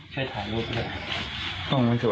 มาที่คู่กกระหลูกตรงนี้